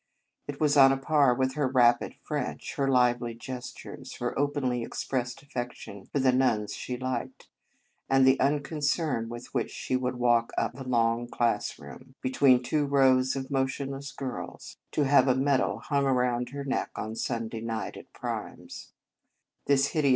It was on a par with her rapid French, her lively gestures, her openly expressed affection for the nuns she liked, and the unconcern with which she would walk up the long classroom, between two rows of motionless girls, to have 41 In Our Convent Days a medal hung around her neck on Sunday night at Primes.